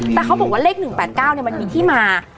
แต่เขาบอกว่าเลข๑๘๙มันมีที่มา